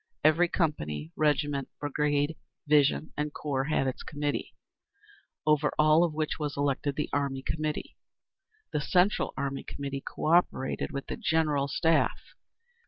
Every company, regiment, brigade, division and corps had its committee, over all of which was elected the Army Committee. The Central Army Committee cooperated with the General Staff.